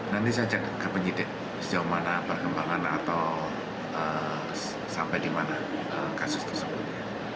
nanti saya cek ke penyidik sejauh mana perkembangan atau sampai di mana kasus tersebut